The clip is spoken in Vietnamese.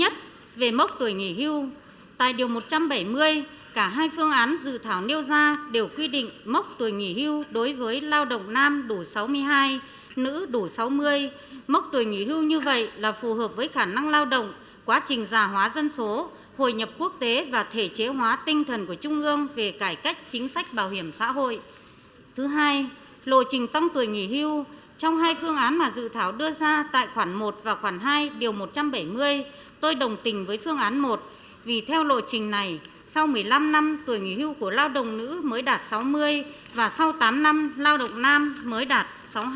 trong hai phương án mà dự thảo đưa ra tại khoản một và khoản hai điều một trăm bảy mươi tôi đồng tình với phương án một vì theo lộ trình này sau một mươi năm năm tuổi nghỉ hưu của lao động nữ mới đạt sáu mươi và sau tám năm lao động nam mới đạt sáu mươi hai